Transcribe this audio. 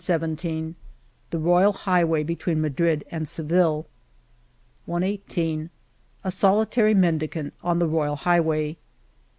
112 The Royal Highway between Madrid and Seville y 11 j, 117 A solitary mendicant on the Royal Highway